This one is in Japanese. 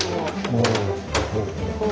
おお。